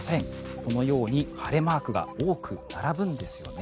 このように晴れマークが多く並ぶんですよね。